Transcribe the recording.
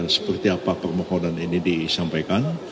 seperti apa permohonan ini disampaikan